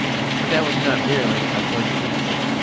But that was not merely a coincidence.